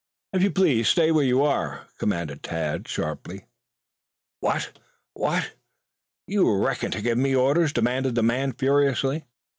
"If you please, stay where you are!" commanded Tad sharply. "What what! You reckon to give me orders?" demanded the man furiously.